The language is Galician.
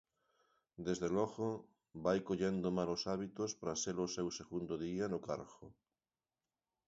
Desde logo, vai collendo malos hábitos para ser o seu segundo día no cargo.